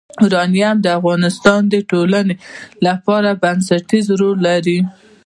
یورانیم د افغانستان د ټولنې لپاره بنسټيز رول لري.